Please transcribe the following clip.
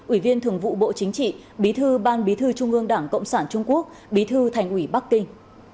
ủy viên thường vụ bộ chính trị bí thư ban bí thư trung ương đảng cộng sản trung quốc bí thư thành ủy bắc kinh